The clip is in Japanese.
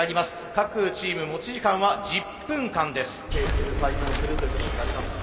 各チーム持ち時間は１０分間です。